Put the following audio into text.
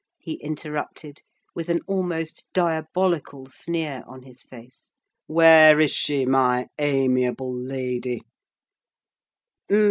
he interrupted, with an almost diabolical sneer on his face. "Where is she—my amiable lady?"